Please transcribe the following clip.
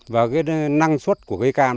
và năng suất của cây cam